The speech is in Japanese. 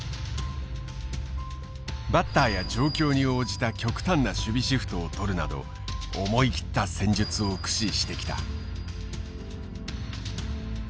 バッターや状況に応じた極端な守備シフトをとるなど思い切った戦術を駆使してきた。